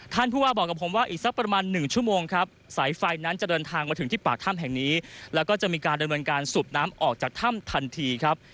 ผู้ว่าบอกกับผมว่าอีกสักประมาณ๑ชั่วโมงครับสายไฟนั้นจะเดินทางมาถึงที่ปากถ้ำแห่งนี้แล้วก็จะมีการดำเนินการสูบน้ำออกจากถ้ำทันทีครับ